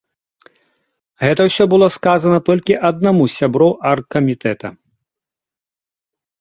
Гэта ўсё было сказана толькі аднаму з сяброў аргкамітэта.